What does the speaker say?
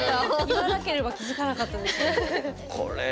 言わなければ気付かなかったですよね。